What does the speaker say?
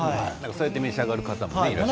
そうやって召し上がる方もいるってね。